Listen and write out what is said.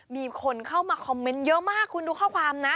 มีคนเข้ามาคอมเมนต์เยอะมากคุณดูข้อความนะ